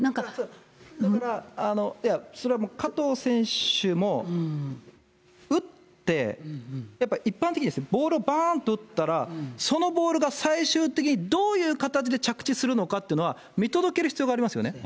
だから、いや、それはもう加藤選手も打って、やっぱ一般的にボールをばーんと打ったら、そのボールが最終的にどういう形で着地するのかっていうのは、見届ける必要がありますよね。